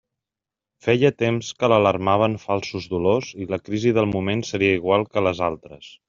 Feia temps que l'alarmaven falsos dolors i la crisi del moment seria igual que les altres.